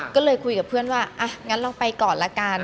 ก็เลยคุยกับเพื่อนว่าอ่ะงั้นลองไปก่อนละกัน